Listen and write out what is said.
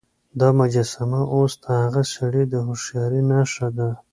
دا مجسمه اوس د هغه سړي د هوښيارۍ نښه ده.